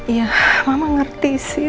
ya mama ngerti sih